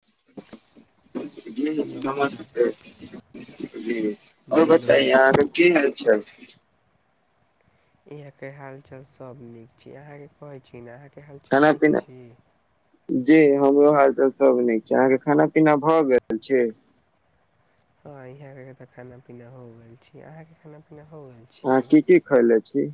[unintelligible] ह हमरा नमस्कार सबके जी नमस्ते [unintelligible] की हाल चाल यहाँ के हालचाल सब नीक छी अहाँके कहे छी ने अहाँ के हालचाल खाना नीक पीना छी जी हमरो हालचाल तऽ सब नीक छै अहाँके खाना पीना भऽ गेल छै हॅं यहाँ के खाना पीना हो रहल छै अहाँ के खाना पीना हो रहल छै अहाँ की की खयले छी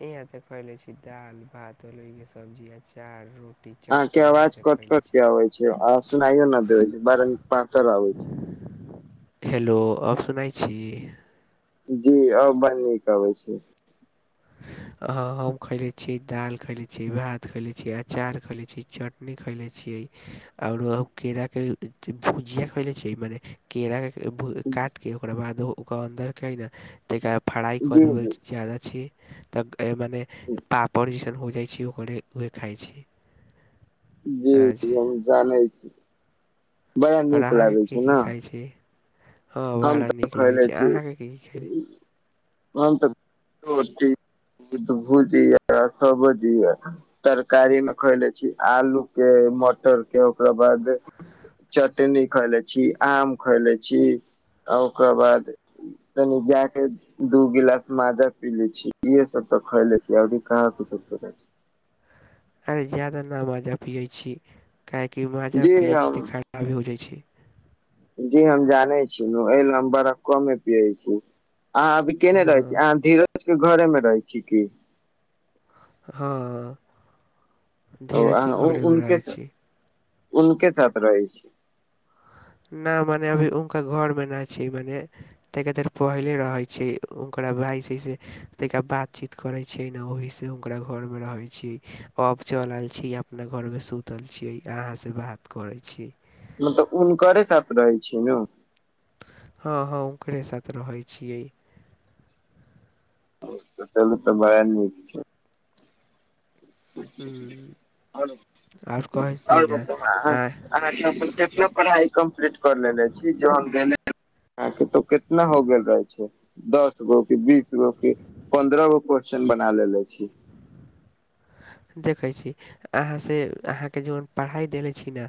यहाँ ते खेलै छी दाल भात के सब्जी अचार रोटी अहाँ के चटनी अवाज इएहसभ खयले कटकट के छी अबै छै आ सुनायो ना दे छै बार पातर आबे छै हेलो अब सुनाई छी जी अब बड नीक अबै छै हाँ हम खले छी दाल खयले छी भात खले छी अचार खले छी चट खले छीयै आओरो केरा के भुजिया खेले छियै मने केलाके काट कऽ ओकरा बाद ओकर अन्दरके ने तकर बाद फ्राइ कऽ जी देबै जी जादा छै तऽ मने पापड़ जैसन हो जाइ छै ओकरे उहे खाइ छी जी जी अच्छे हम बड़ा आओर नीक अहाँके लागै की छै की ने खाइ छी हँ हम बड़ा नीक लागै छै अहाँके की की खाइ त [unintelligible] भुजिया सब्जी ये तरकारी मे खैले छी आलू के मटर ओकरा बाद चटनी खैले छी आम खैले छी आ ओकरा बाद तनि गैय के दू गिलास माजा पी ले छी इे सब तऽ खयले आरो कहाँ कुछो खलये अछि अरे जादा नऽ माजा पियैत छी काहेकि छी माजा जी पियैत छी हम तऽ आगे हो जाइ छै [unintelligible] जी हम जाने छी मोबईल नम्बरको मे पिय छी आहाँ अभी [unintelligible] केने रहै छी हँ अहाँ धीरज के घरेमे रहै छी हँ ओ धीरे के अहाँ उ- घरेमे उनके रहै छी उनके साथ रहै छी ना मने अभी हुनका घर मे नहि छी मने तनका देर पहिले रहैत छै ओकरा भायसॅं से तानिका बातचीत करैत छै छै ने ओहि से हुकरा घर में रहे छी अब चल आबे छी अपना घर मे सुत छियै अहाँसँ बात करै छी मतलब हुनकरे साथ रहै छियै नू हँ हँ ओकरे साथ रहै छियै ओ तऽ चलू तऽ बड़ा नीक छै हूंम्म ओर और बताउ आ अहाँके [unintelligible] अपनो पढ़ाइ कम्पलीट कर लेनेे छी जे हम [unintelligible] देले अहाँके तो कितना हो गेल रहे छै दस गो की बीस गो की पन्द्रह गो क्वेश्चन बना लेेले छी देखै छी अहाँसे अहाँके जोन पढ़ाइ देने छी ने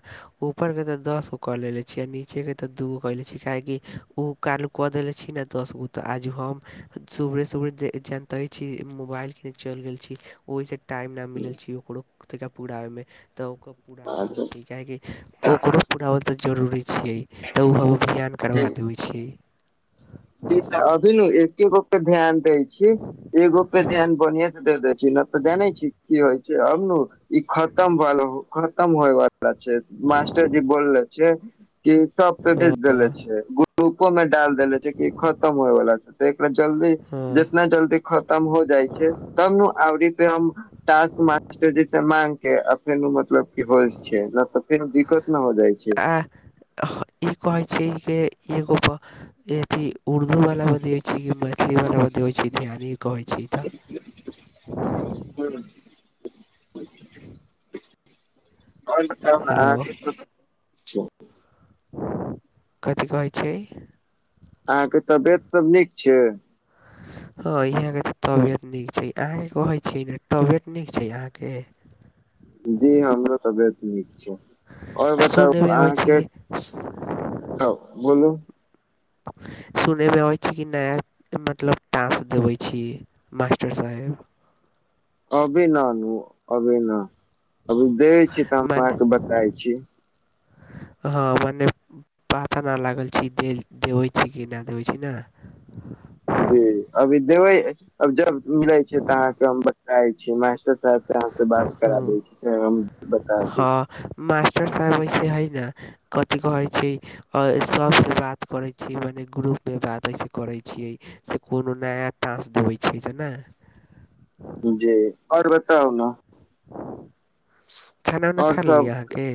ऊपर के तऽ दस गो कऽ लेेले छी आ नीचे के तऽ दू गो कऽ ले छी काहेकि ओ कालू कऽ देले छी ने दसगो तऽ आज हम सुबेरे सुबेरे जानितै छी मोबाइल के चलि गेल छी ओहिसँ टाइम नहि मिलल छी ओकरो तनिका पुराबैमे तऽ ओकर पुराबैमे काहेकि ओकरो पुराबल तऽ जरूरी छै तऽ ओ हम अभियान करबा देबै छियै कि तऽ अभी नु एक्के गो पे ध्यान दै छी एगो पे ध्यान बढ़ियाँ से दे देै छी न तऽ जाने छी की होइ छै छै अब नू ई खतम भऽ खतम होइ बाला मास्टरजी बोललै छै की उ सब पे भेज देले हँ छियै ग्रुपो मे डाल देेले छियै ई खतम होइवला छै तऽ एकरा जल्दी हँ जितना जल्दी खतम हो जाइ छै तब नू आओरीते हम टास्क मास्टर जीसे मांगके ने मतलब की होइ छै न तऽ फेनो दिक्कत न हो जाइ छै आ ई कहै छै एगोपर एथी उर्दू वला बतबै छी कि मैथिली वला बतबै छी ध्यानी कहै छी तऽ ह [unintelligible] त हेलो अहाँके कथी कहै छै अहाँके तबियत सब नीक छै हँ यहाँ के तऽ तबियत नीक छै अहाँके कहै छी ने तबियत नीक छै अहाँके जी हमरो तबियत नीक छै आओर बताउ सुनैमे अबै छै अहाँके तऽ बोलू सुनेमे अबै छी कि नया मतलब टाँस देबै छी मास्टर साहेब अबी नानू अबी न अभी देय छी तऽ हम मने अहाँके बताय छी हँ मने पात नहि लागल छीेल देबैत छी कि नहि देबैत छी नहि जी अभी देबै अब जब मिलै छै तऽ अहाँके हम बताबै छी कहब तऽ अहाँ से बात हँ करा दै छी हम बता दी हँ मास्टर साहब इसे हइ न कथी कहै छै आओर सभसँ बात करैत छियै मने ग्रुपमे बात अइसँ करैत छियै से कोनो नया टास देबै छै तऽ नहि जी आओर बताउ ने खाना उना आओर खा लेली सब अहाँके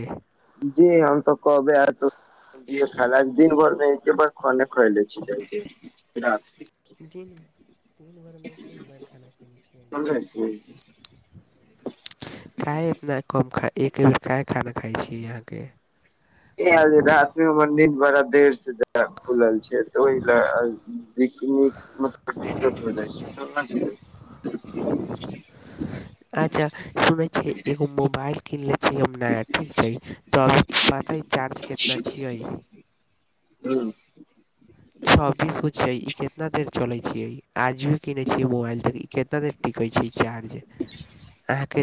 जे हम तऽ कहबे अहुँके [unintelligible] दिन भरमे एके बार खाने खैले छी रात के जी दिन बारमे एक बार खाना खयने छियै समझै छी [inaudible] काहे इतना कम खाय एकबेर काहे खाना खाइ छियै अहाँके धार्मिक मन्दिर बड़ा देर से खुलल छै तऽ ओहि ले बीच नीक मतलब दिक्कत हो जाइ छै [inaudible] अच्छा सुनेै छियै छी हम नया ठीक छै तऽ अभ पताै [unintelligible] चार्ज कितना छियै हूंम्म छब्बीसगो छै ई कितना देर चलै छैयै आज भी की नहि छ मोबाइल तक ई कितना देर [inaudible]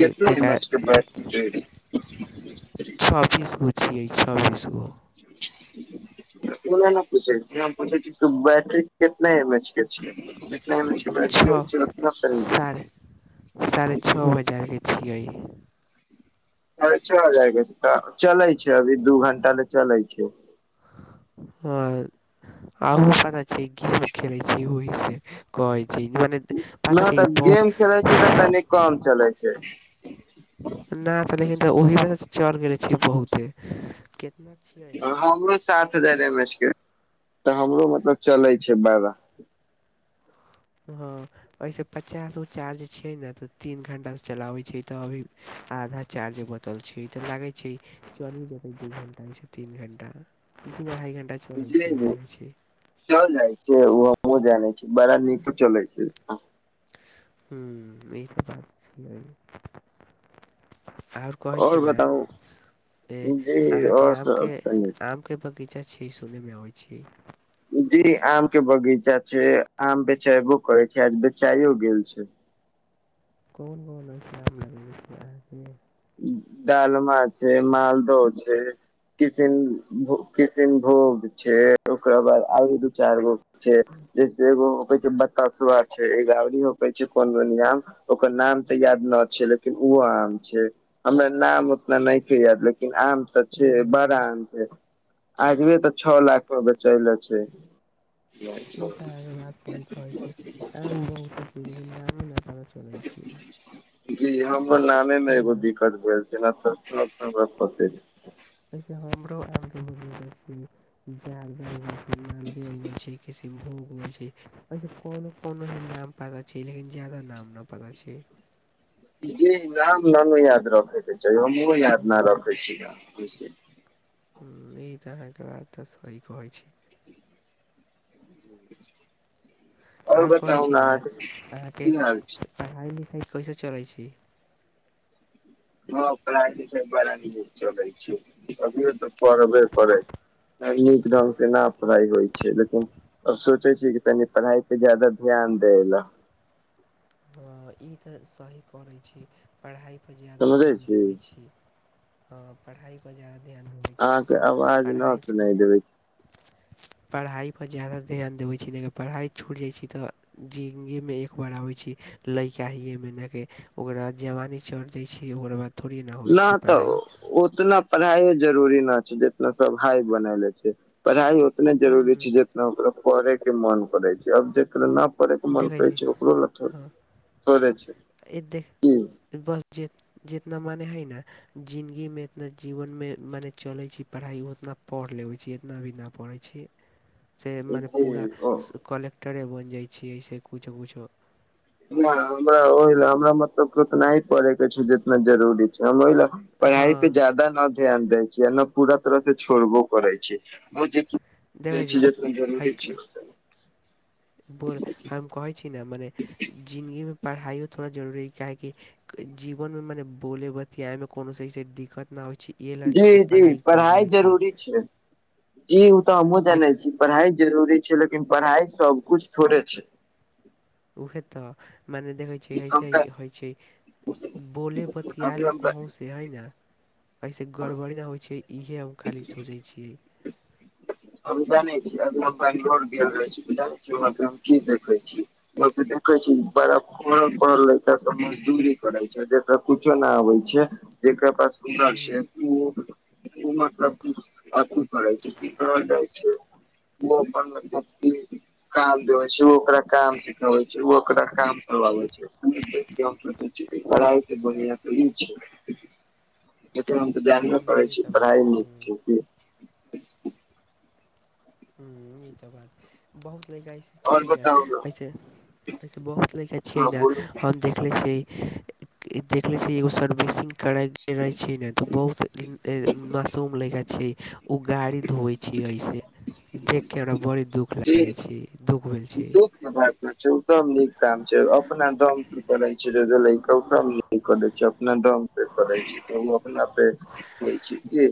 कितना एम एच के बैटरी छबबीसगो छियै छबीसगो तने ने पूछे पूछे तू बैटरी कितना एम एच छओ [unintelligible] साढ़े साढ़े छओ हजार के छियै अ जाय चलै छै अभी दू घंटा ले चलै छै हँ आपता ख छै होइ छै कहै छै पता नहि छै तऽ बहुत गेम खेले छी तऽ तनी काम चलै छै नहि तऽ लेकिन तऽ ओहिमे चढ़ गेले छी बहुते कितना हमरो साथ [unintelligible] हजारमे के तऽ हमरो मतलब चलै छै बारह। हँ ओहिसँ पचास गो चार्ज छियै ने तऽ तीन घण्टासँ चलाबैत छियै तऽ अभी आधा चार्ज बत ल छी तऽ लागे छै ई चल जेतै दू घंटा ती घंटा अढ़ाई घंटा चलै इझल छै ने [inaudible] लागै छै चल जाइ छै ओ हमो जानै छी बड़ा नीको चलै छै ह ई त बात छ कहय छी आओर ने बताउ जी अहां के आओर आम के सब तनी आम के बग चा छै सुनेमबइ छी जी आम के बगीचा छै आम बेचेबो करै छै आज बेचाइयो गेल छै कौन कोन अ शाम लम छै आ डालमा छै मालदहो छै किसनो किसनभोग छै ओकरा बाद आरो दू चार गो जैसे एगोै छै बताश छै होै छै कोन दुनिया ओकर नाम तऽ याद न छै लेकिन ओहो आम छै हमरा नाम उतना नहि छै याद लेकिन आम तऽ छै हँ, बड़ा आम छै आजबी तऽ छओ लाख में बेचैले छै ई तऽ बात स कहै छी त बहुत नचा चलै छी [inaudible] जी हमर नामे मे एगो केना दिक्कत भेल छै हमरो आ छी जालद छै मालदेव छै कृषभोग छै कोनो कोनो एन नाम। पता छै लेकिन जादा नाम नहि पता छै जी राम नन याद रखेके चाही हमहुँ याद न ह्म्म रखे छीय ई तऽ अहाँके बात तऽ सही कहै छै आओर कहै छी ने अहाँके की हाल छै पढ़ाई लिखाई कैसे चलै छी हँ पढ़ाइ लिखाइ बड़ा चलै छै अभिय तऽ पढ़बे करै नीक ढंग से नहि पढ़ाइ होइ छै देखिन आ सोचै छी कि तनि पढ़ाई पे ज्यादा ध्यान दै लए ह ई तऽ सही कऽ लैत छी पढ़ाइ पर जादा ध्यान देबै छी ह पढ़ाइपर जायदा ध्यान होै छै लाक अहाँके आवाज न पढ़ाइ छोड़ सुनाइ देबै पढ़ाइपर ज्यादा ध्यान देबै छी लगिन पढ़ाइ छुइट जाइ छी तऽ जिंदगी में एकबार आबै छी लैका हीे मेन के ओकरा जवानी चढ़ दै छै ओकर बाद थोड़े नहि होइ नह छै तऽ पढ़ाइ ओ उतना पढ़ाइ जरूरी न छै जितना सब हाइ बनाले छै पढ़ाई इतना जरूरी छै ह्म जेना ओकरा पढ़े के मन करे छै आब जेकरा न पढ़े के मन देखै करै छी छै ओकरो ल थो हँ थोड़े छै ए देख कि बस ज जितना मने हइ ने जिनगीमे इतना जीवनमे मने चलैत छी पढ़ाइ उतना पढ़ि लेबै छी इतना अभी नहि पढ़ैत छी से मने पूरा जी ओ कलेक्टरे बइन जाइ छै से किछो किछो हमरा ओहि लय हमरा मतलब ओतना पढ़े के छै जितना जरूरी छै हम ओहि ल हँ पढ़ाइ पे ज्यादा ध्यान दै छिय नय पूरा तरहसँ छोड़बो करै छै जे देखै नहि छी को जरूरी हइ छै बोल हम कहै छी ने मने जिनगी में पढ़ाइयो थोरा जरुरी काहेकि जीवन में मने बोले बतियाइ मे कोनो सही से दिक्कत न होइ छै इहे जी लए जी पढ़ाइ कर पढ़ाई लेबै छी जरूरी छै जी ओ तऽ हमहुँ जानै लेकिन छी पढ़ाई जरूरी छै लेकिन पढ़ाई सब कुछ थोड़े छै उहे तऽ मने देखै अइसे अभी होइ छै बोले बतआयलए हमरा कहूँसँ हइ ने कइसे गड़बड़ी नहि होइ छै इहे हम खाली सोचै छियै झ छी पोझ वह हम की देखे छी बी देखै छी बड़ा पढ़ल पढ़ल लैका के मजदूरी करै छै जेकरा कुछो न आबै छै जेकरा पास सुन्दर हूँ हूँ छै ओ ओ मतलब अथी करै छै की कहल जाए छै ओ अपन मतलब की काम देबै छै ओ ओकरा काम सिखाबै छै ओ ओकरा काम करवाबै छै गम करइ बनआ त ई [unintelligible] लेकिन हम तऽ हूँ ध्यान नहि करै हूँ ई छी तऽ बात पढ़ाई हूँ लख ह ई तऽ बात बहुत नइस और छियै ने बताउ न अइसेसे बहुत लड़का छियै हँ ने बोलू हम देख लै छियै देखले छी एगो सर्विसिंग करे रहे छै ने तऽ बहुत मासूम लड़का छै उ गाड़ी धोवे छै ऐसे देखिके हमरा बड़ी दुःख लागै छै दुःख भेल छी ात छै ओ सब नीक काम छै अपना दम करै छै क करै छै अपना दम पे करै छै त ओ अपना पे होइ छै जी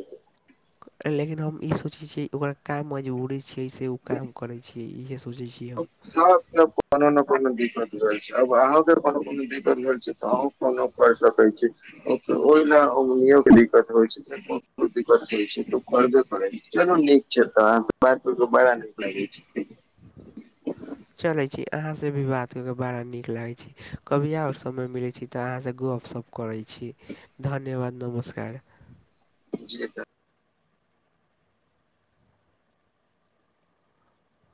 लेकिन हम ई सोचैत छियै ओकरा क मजबूरी छियै से ओ काम करैत छियै इएह सोचैत छी कोनोने कोनो दिक्कत रहल छै आब आहोके कोनो कोनो दिक्कत रहल छै त कोनो कर सकै छी ओहि ल उगनो के दिक्कत होइ छै दिक्कते छै त करबे करै केल नीक छै त ब बड़ा नीक लागे छै [inaudible] चलै छी अहाँसँ भी बात कऽ कऽ बड़ा नीक लागै छै कभी ओर समय मिलैत छै तऽ अहाँसँ गपशप करैत छी धन्यवाद नमस्कार जी तऽ